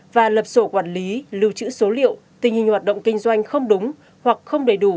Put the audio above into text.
và lập sổ quản lý lưu trữ số liệu tình hình hoạt động kinh doanh không đúng hoặc không đầy đủ